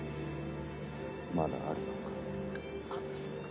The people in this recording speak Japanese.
まだあるか。